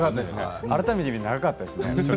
改めて見ると長かったですね。